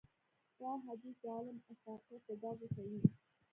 دا حديث د علم افاقيت په ډاګه کوي.